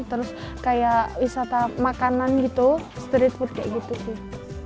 terus kayak wisata makanan gitu street food kayak gitu sih